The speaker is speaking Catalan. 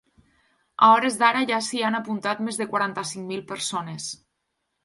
A hores d’ara ja s’hi han apuntat més de quaranta-cinc mil persones.